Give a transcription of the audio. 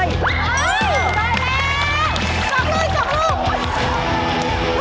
เย่